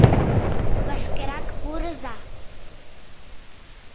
— Вашкерак пурыза.